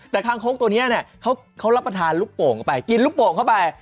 แต่คางคกตัวนี้เขารับประทานลูกโป่งเข้าไปกินลูกโป่งเข้าไป